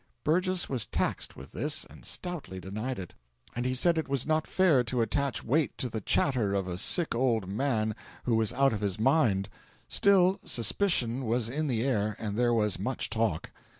Burgess was taxed with this and stoutly denied it. And he said it was not fair to attach weight to the chatter of a sick old man who was out of his mind. Still, suspicion was in the air, and there was much talk.